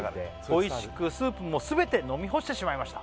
「おいしくスープもすべて飲み干してしまいました」